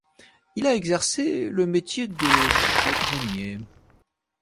Il a exercé le métier de chaudronnier.